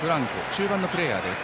中盤のプレーヤーです。